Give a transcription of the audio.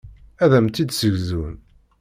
Ad am-tt-id-ssegzun.